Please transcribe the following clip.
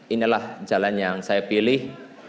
inilah jalan yang saya pilih